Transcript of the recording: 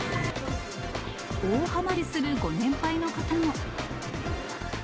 大はまりするご年配の方も。